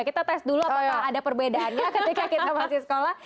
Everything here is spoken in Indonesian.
kita tes dulu apakah ada perbedaannya ketika kita masih sekolah